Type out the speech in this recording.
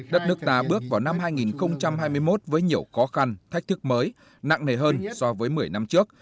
đất nước ta bước vào năm hai nghìn hai mươi một với nhiều khó khăn thách thức mới nặng nề hơn so với một mươi năm trước